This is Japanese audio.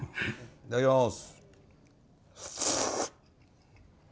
いただきます。